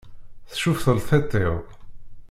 Tcuf telteṭ-iw.